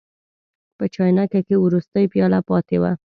په چاینکه کې وروستۍ پیاله پاتې وه.